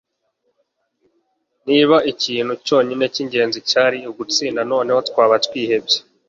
niba ikintu cyonyine cyingenzi cyari ugutsinda, noneho twaba twihebye